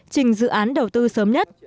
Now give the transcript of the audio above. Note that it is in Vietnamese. trình dự án đầu tư sớm nhất